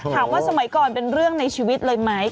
สมัยก่อนเป็นเรื่องในชีวิตเลยไหม